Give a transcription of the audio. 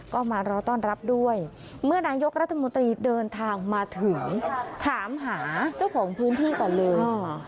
ก็มารอต้อนรับด้วยเมื่อนายกรัฐมนตรีเดินทางมาถึงถามหาเจ้าของพื้นที่ก่อนเลย